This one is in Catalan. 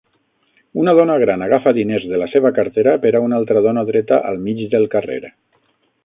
Una dona gran agafa diners de la seva cartera per a una altra dona dreta al mig del carrer.